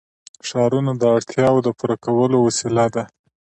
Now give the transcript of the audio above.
ښارونه د اړتیاوو د پوره کولو وسیله ده.